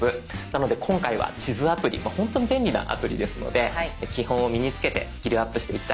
なので今回は地図アプリ本当に便利なアプリですので基本を身につけてスキルアップしていきたいと思います。